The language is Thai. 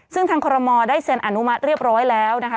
ซึ่งทางคอรมอลได้เซ็นอนุมัติเรียบร้อยแล้วนะคะ